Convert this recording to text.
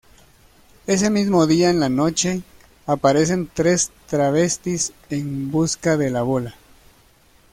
Ese mismo día, en la noche, aparecen tres travestis en busca de la bola.